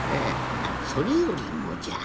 あそれよりもじゃ。